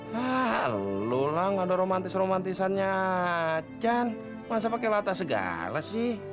lalu lah gak ada romantis romantisannya can masa pake latas segala sih